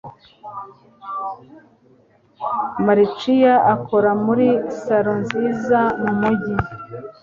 Marcia akora muri salon nziza mumujyi.